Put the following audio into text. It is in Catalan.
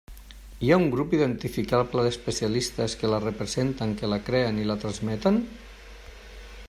Hi ha un grup identificable d'especialistes que la representen, que la creen i la transmeten?